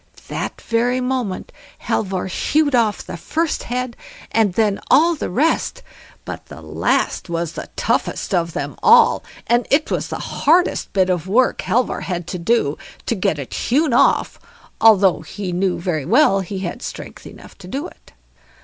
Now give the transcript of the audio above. That very moment Halvor hewed off the first head and then all the rest; but the last was the toughest of them all, and it was the hardest bit of work Halvor had to do, to get it hewn off, although he knew very well he had strength enough to do it.